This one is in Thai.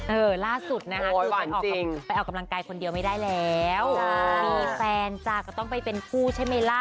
เออล่าสุดนะคะคือไปออกไปออกกำลังกายคนเดียวไม่ได้แล้วมีแฟนจ้ะก็ต้องไปเป็นคู่ใช่ไหมล่ะ